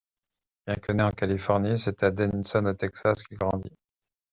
Bien que né en Californie, c'est à Denison au Texas qu'il grandit.